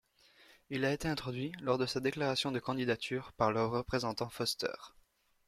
Il a été introduit, lors de sa déclaration de candidature, par le représentant Foster.